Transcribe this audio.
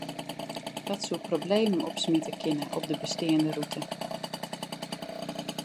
Dat soe problemen opsmite kinne op de besteande rûte.